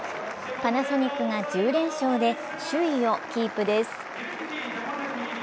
パナソニックが１０連勝で首位をキープです。